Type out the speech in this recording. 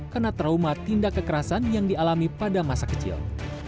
karena trauma tindak kekerasan yang dialami pada masa kecil